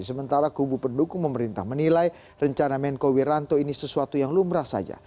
sementara kubu pendukung pemerintah menilai rencana menko wiranto ini sesuatu yang lumrah saja